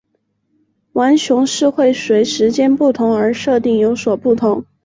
浣熊市会随时间不同而设定有所不同。